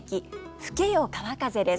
「吹けよ川風」です。